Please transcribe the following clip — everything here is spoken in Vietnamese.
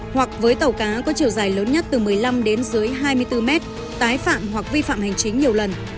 hoặc với tàu cá có chiều dài lớn nhất từ một mươi năm đến dưới hai mươi bốn mét tái phạm hoặc vi phạm hành chính nhiều lần